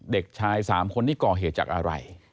เด็กชาย๓คนที่ก่อเหตุจากอะไร